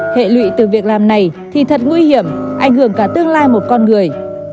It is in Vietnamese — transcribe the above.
hệ lụy từ việc làm này thì thật nguy hiểm ảnh hưởng cả tương lai một con người